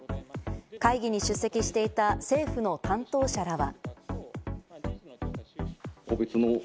会議に出席していた政府の担当者らは。